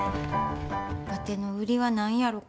わての売りは何やろか？